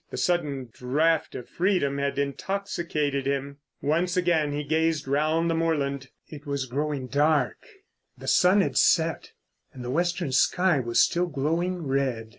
The sudden draught of freedom had intoxicated him. Once again he gazed round the moorland. It was growing dark, the sun had set, and the western sky was still glowing red.